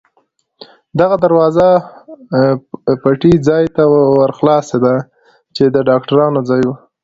دغه دروازه پټۍ ځای ته ور خلاصېده، چې د ډاکټرانو ځای و.